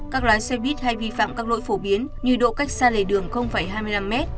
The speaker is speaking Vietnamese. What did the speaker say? các lái xe buýt hay vi phạm các lỗi phổ biến như độ cách xa lề đường hai mươi năm m